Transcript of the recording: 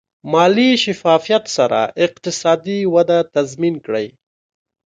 مالي شفافیت سره اقتصادي وده تضمین کړئ.